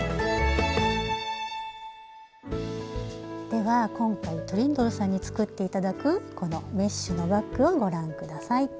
では今回トリンドルさんに作って頂くこのメッシュのバッグをご覧ください。